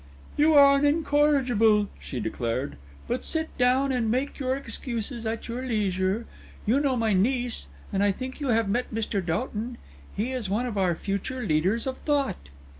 "You are an incorrigible!" she declared, "but sit down and make your excuses at your leisure. You know my niece, and I think you have met Mr. Doughton. He is one of our future leaders of thought!"